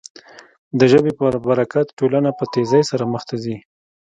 د ژبې په برکت ټولنه په تېزۍ سره مخ ته ځي.